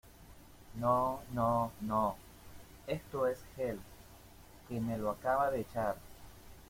no, no , no... esto es gel , que me lo acaba de echar .